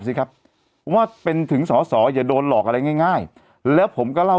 สิครับว่าเป็นถึงสอสออย่าโดนหลอกอะไรง่ายแล้วผมก็เล่า